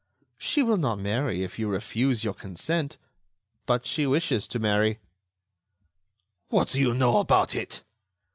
"She will not marry if you refuse your consent; but she wishes to marry." "What do you know about it?"